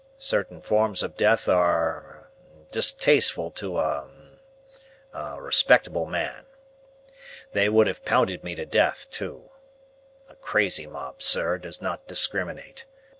Certain forms of death are er distasteful to a a er respectable man. They would have pounded me to death, too. A crazy mob, sir, does not discriminate.